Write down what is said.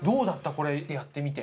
これやってみて。